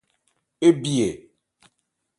Ébí ɛ ?